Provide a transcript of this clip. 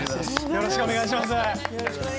よろしくお願いします。